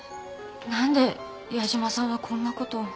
何で矢島さんはこんなことを？